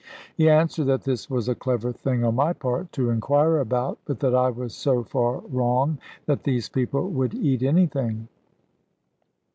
He answered that this was a clever thing on my part to inquire about; but that I was so far wrong that these people would eat anything.